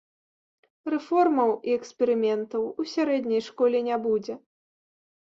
Рэформаў і эксперыментаў у сярэдняй школе не будзе.